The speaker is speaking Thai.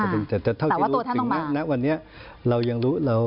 แต่ถ้าเธอรู้จึงมาณวันนี้เรายังรู้